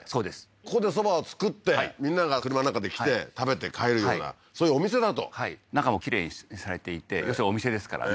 ここで蕎麦を作ってみんなが車なんかで来て食べて帰るようなそういうお店だとはい中もきれいにされていて要するにお店ですからね